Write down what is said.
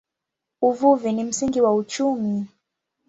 Uvuvi ni msingi wa uchumi.